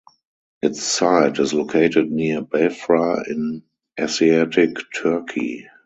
Its site is located near Bafra in Asiatic Turkey.